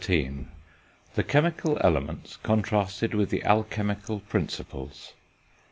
THE CHEMICAL ELEMENTS CONTRASTED WITH THE ALCHEMICAL PRINCIPLES.